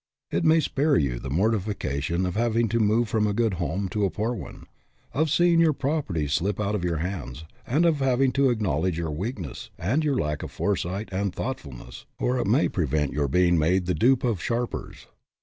It may spare you the mortification of having to move from a good home to a poor one, of seeing your property slip out of your hands, and of having to acknowledge your weakness and your lack of foresight and thoughtfulness, or it may prevent your being made the dupe of sharpers.